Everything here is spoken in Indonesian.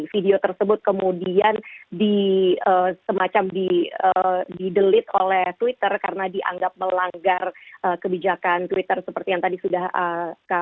video tersebut kemudian semacam di delete oleh twitter karena dianggap melanggar kebijakan twitter seperti yang tadi sudah anda jelaskan dalam paket sebelumnya